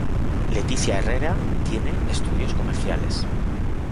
Leticia Herrera tiene estudios comerciales.